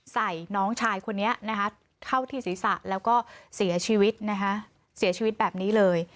ใส่น้องชายคนนี้เข้าที่ศีรษะแล้วก็เสียชีวิตแบบนี้เลย